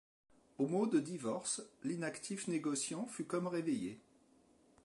Au mot de divorce, l’inactif négociant fut comme réveillé.